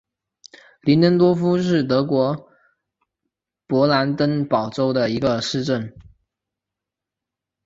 林登多夫是德国勃兰登堡州的一个市镇。